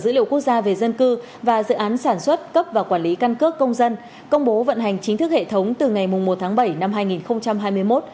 dữ liệu quốc gia về dân cư và dự án sản xuất cấp và quản lý căn cước công dân công bố vận hành chính thức hệ thống từ ngày một tháng bảy năm hai nghìn hai mươi một